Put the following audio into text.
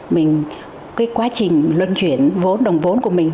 mình cái quá trình luân chuyển vốn đồng vốn của mình